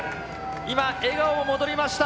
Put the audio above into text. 今、笑顔が戻りました。